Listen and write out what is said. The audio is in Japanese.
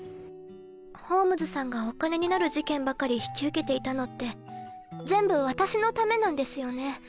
ホームズさんがお金になる事件ばかり引き受けていたのって全部私のためなんですよね？